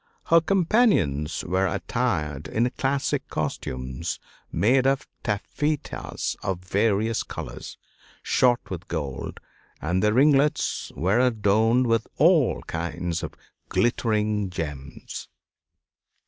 Her companions were attired in classic costumes made of taffetas of various colors, shot with gold, and their ringlets were adorned with all kinds of glittering gems....